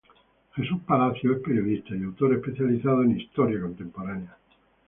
Jesús Palacios es periodista y autor especializado en historia contemporánea.